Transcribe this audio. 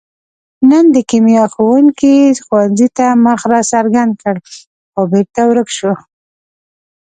نن د کیمیا ښوونګي ښوونځي ته مخ را څرګند کړ، خو بېرته ورک شو.